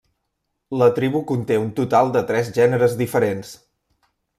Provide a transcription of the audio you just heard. La tribu conté un total de tres gèneres diferents.